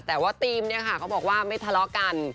แต่ว่าธีมเนี่ยค่ะเขาบอกว่าไม่ทะเลาะกัน